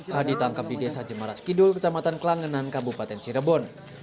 h ditangkap di desa jemaras kidul kecamatan kelangenan kabupaten cirebon